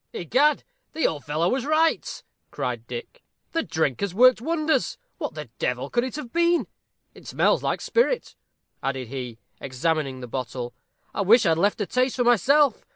"Egad, the old fellow was right," cried Dick. "The drink has worked wonders. What the devil could it have been? It smells like spirit," added he, examining the bottle. "I wish I'd left a taste for myself.